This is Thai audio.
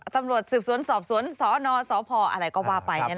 ตำรวจสืบสวนสอบสวนสนสพอะไรก็ว่าไป